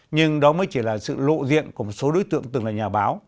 nhưng đó mới chỉ là sự lộ diện của một số đối tượng từng là nhà báo